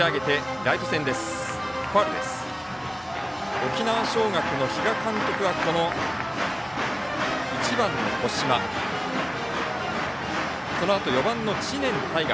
沖縄尚学の比嘉監督は１番、後間そのあと４番の知念大河。